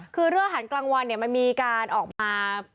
คือเรื่องอาหารกลางวันเนี่ยมันมีการออกมา